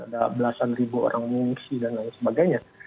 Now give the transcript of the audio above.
ada belasan ribu orang mengungsi dan lain sebagainya